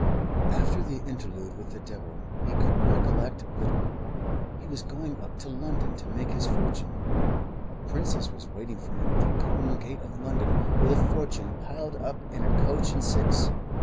After the interlude with the devil he could recollect little. He was going up to London to make his fortune. A princess was waiting for him at the golden gate of London, with a fortune piled up in a coach and six.